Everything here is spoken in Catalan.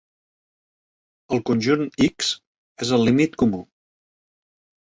El conjunt "X" és el límit comú.